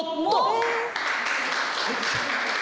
えっ！